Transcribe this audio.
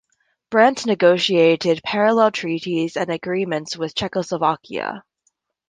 Brandt negotiated parallel treaties and agreements with Czechoslovakia.